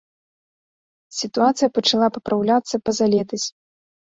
Сітуацыя пачала папраўляцца пазалетась.